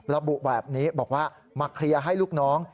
ระบุแบบนี้บอกว่ามาเคลียร์ให้ลูกน้อง